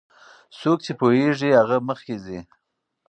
څوک چې پوهیږي هغه مخکې ځي.